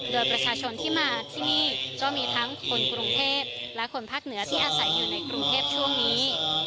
โดยประชาชนที่มาที่นี่ก็มีทั้งคนกรุงเทพและคนภาคเหนือที่อาศัยอยู่ในกรุงเทพช่วงนี้